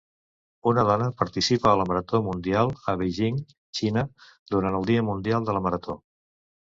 Una dona participa a la marató mundial a Beijing, Xina durant el dia mundial de la marató